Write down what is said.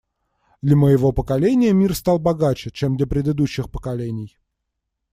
Для моего поколения мир стал богаче, чем для предыдущих поколений.